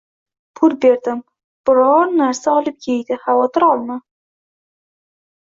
Pul berdim, biron narsa olib eydi, xavotir olma